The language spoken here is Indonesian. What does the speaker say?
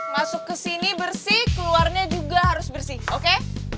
masuk kesini bersih keluarnya juga harus bersih oke